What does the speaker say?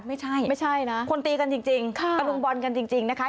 ไม่ใช่คนตีกันจริงตะลุมบอลกันจริงนะคะ